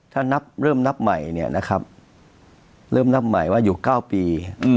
ถ้าเริ่มนับใหม่ว่าอยู่๙ปี